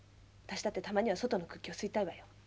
私だってたまには外の空気を吸いたいわよ。